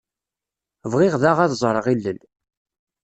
Bɣiɣ daɣ ad ẓreɣ ilel.